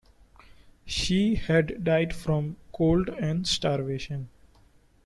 She had died from cold and starvation.